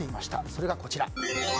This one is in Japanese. それが、こちら。